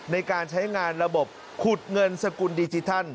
ในการใช้งานระบบขุดเงินสกุลดิจิทัล